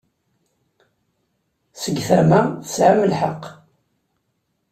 Seg tama, tesɛam lḥeqq.